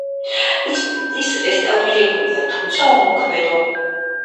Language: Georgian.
ის რესტავრირებულია, თუმცა უმოქმედო.